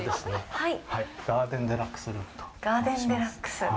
はい。